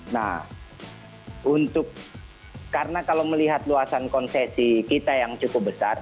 nah untuk karena kalau melihat luasan konsesi kita yang cukup besar